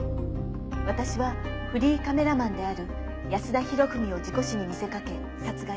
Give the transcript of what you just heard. わたしはフリーカメラマンである安田博文を事故死に見せ掛け殺害しました。